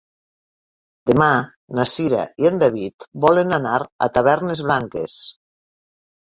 Demà na Cira i en David volen anar a Tavernes Blanques.